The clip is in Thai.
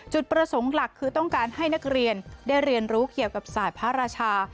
จุดประสงค์หลักคือต้องการให้นักเรียนได้เรียนรู้เกี่ยวกับสายพระราชา